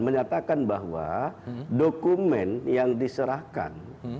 menyatakan bahwa dokumen yang diserahkan